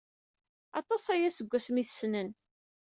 Aṭas aya seg wasmi ay t-tessen.